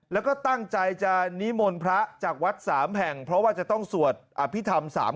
แล้วก็ตั้งใจจะนิมนต์พระจากวัด๓แห่งเพราะว่าจะต้องสวดอภิษฐรรม